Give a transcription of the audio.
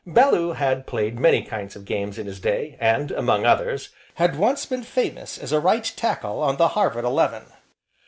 Bellew had played many kinds of games in his day, and, among others, had once been famous as a Eight Tackle on the Harvard Eleven.